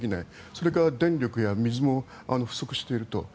それから電力や水も不足していると。